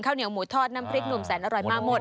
เหนียวหมูทอดน้ำพริกหนุ่มแสนอร่อยมาหมด